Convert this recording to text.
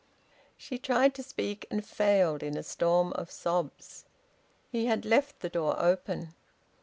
She tried to speak, and failed, in a storm of sobs. He had left the door open.